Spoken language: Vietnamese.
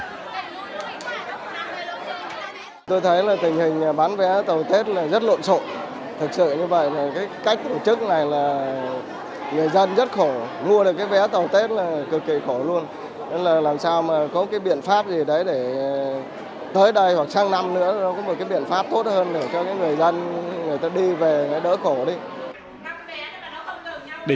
tình hình bán vé tàu tết rất lộn xộn thực sự như vậy cách tổ chức này là người dân rất khổ